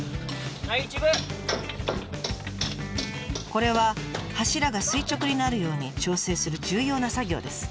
これは柱が垂直になるように調整する重要な作業です。